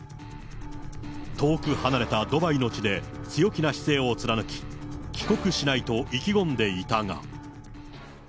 遠く離れたドバイの地で強気な姿勢を貫き、帰国しないと意気込んでいたが。